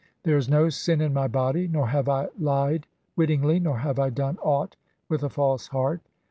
There is no (3) sin in my body ; nor have I lied "wittingly, nor have I done aught with a false heart.